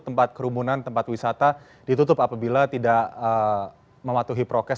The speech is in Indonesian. tempat kerumunan tempat wisata ditutup apabila tidak mematuhi prokes